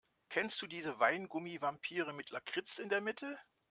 Kennst du diese Weingummi-Vampire mit Lakritz in der Mitte?